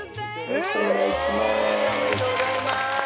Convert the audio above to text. よろしくお願いします。